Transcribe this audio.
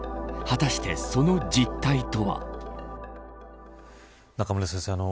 果たして、その実態とは。中村先生